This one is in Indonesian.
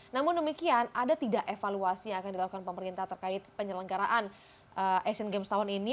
namun demikian ada tidak evaluasi yang akan dilakukan pemerintah terkait penyelenggaraan asian games tahun ini